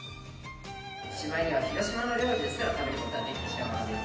「しまいには広島の料理ですら食べることができたのです」